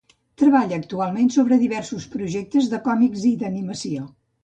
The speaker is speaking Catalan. Treballa actualment sobre diversos projectes de còmics i d'animació.